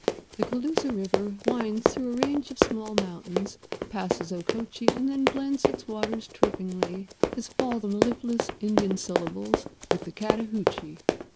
The Cooloosa River winds through a range of small mountains, passes Okochee and then blends its waters trippingly, as fall the mellifluous Indian syllables, with the Chattahoochee.